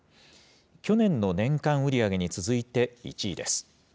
去年の年間売り上げに続いて１位です。